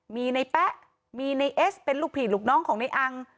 มีนายแป๊ะมีนายเอสเป็นลูกผีหลุกน้องของนายอัง